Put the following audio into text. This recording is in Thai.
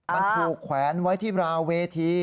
มันถูกแขวนไว้ที่ราวเวที